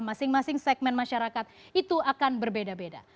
masing masing segmen masyarakat itu akan berbeda beda